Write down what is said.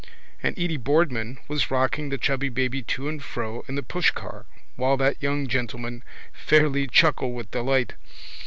And Edy Boardman was rocking the chubby baby to and fro in the pushcar while that young gentleman fairly chuckled with delight.